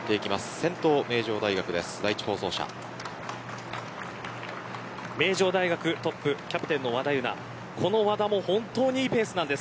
先頭の名城大学トップキャプテンの和田です。